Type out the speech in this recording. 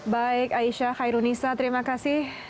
baik aisyah khairunisa terima kasih